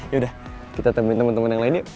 yaudah kita temuin temen temen yang lain yuk